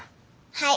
はい。